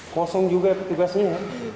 kosong juga tugasnya ya